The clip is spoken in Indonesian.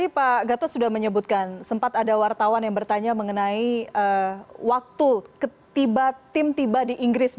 pak gatot sudah menyebutkan sempat ada wartawan yang bertanya mengenai waktu tiba tim tiba di inggris